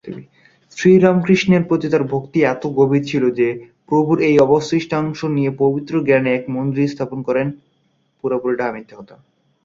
শ্রীরামকৃষ্ণের প্রতি তার ভক্তি এত গভীর ছিল যে, প্রভুর এই অবশিষ্টাংশ নিয়ে পবিত্র জ্ঞানে এক মন্দির স্থাপন করেন।